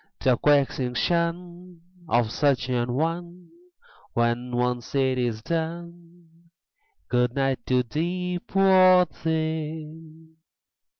The coaxing shun Of such an one! When once 'tis done Good night to thee, poor thing!